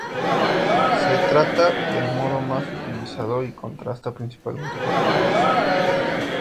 Se trata del modo más utilizado y contrasta principalmente con el modo subjuntivo.